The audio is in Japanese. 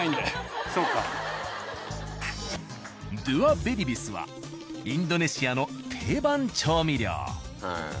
ドゥアベリビスはインドネシアの定番調味料。